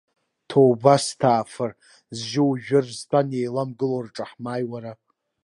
Ҭоубасҭаафыр, зжьы ужәыр зтәан еиламгыло рҿы ҳмааи уара.